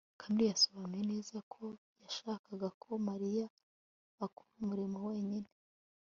kamali yasobanuye neza ko yashakaga ko mariya akora umurimo wenyine